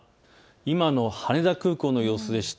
今の羽田空港の様子です。